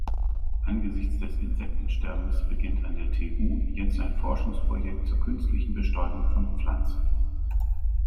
Angesichts des Insektensterbens beginnt an der TU jetzt ein Forschungsprojekt zur künstlichen Bestäubung von Pflanzen.